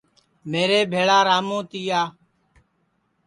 میرے بھیݪا راموں تِیا